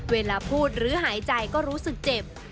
เวลาพูดหรือหายใจก็รู้สึกเจ็บ